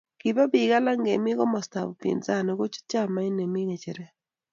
kiba biik alak chemi komosotab upinzani kochut chamait ne mi ng'echeret